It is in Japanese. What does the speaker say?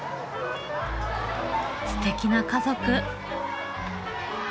すてきな家族。